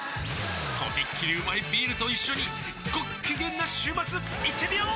とびっきりうまいビールと一緒にごっきげんな週末いってみよー！